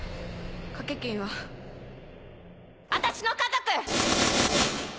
賭け金は私の家族！